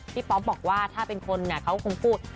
พี่ป๊อปบอกว่าถ้าเป็นคนเนี่ยเขาก็คงพูด